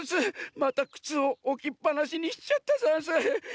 またくつをおきっぱなしにしちゃったざんす。